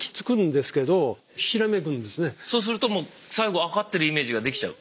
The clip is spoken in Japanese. そうするともう最後勝ってるイメージができちゃう。